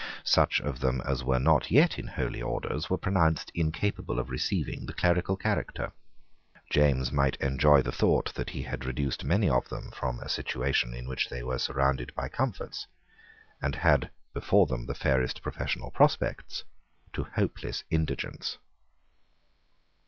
Such of them as were not yet in holy orders were pronounced incapable of receiving the clerical character. James might enjoy the thought that he had reduced many of them from a situation in which they were surrounded by comforts, and had before them the fairest professional prospects, to hopeless indigence.